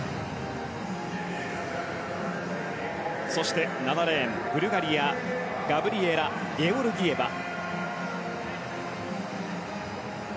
そして７レーンには、ブルガリアガブリエラ・ゲオルギエヴァ。